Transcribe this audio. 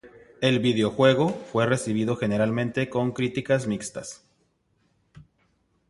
El videojuego fue recibido generalmente con críticas mixtas.